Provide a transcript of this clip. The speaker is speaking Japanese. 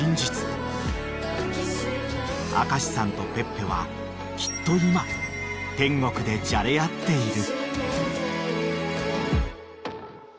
［明さんとペッペはきっと今天国でじゃれ合っている］